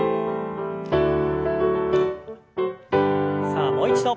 さあもう一度。